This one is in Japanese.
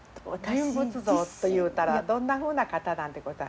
人物像というたらどんなふうな方なんでございましょう？